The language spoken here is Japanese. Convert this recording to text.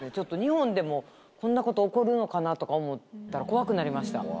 日本でもこんなこと起こるのかなとか思ったら怖くなりました。